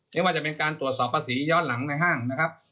ไม่ว่าจะเป็นการตรวจสอบภาษีย้อนหลังในห้างนะครับ